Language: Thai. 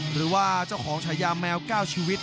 หรือว่าเจ้าของฉายาแมว๙ชีวิต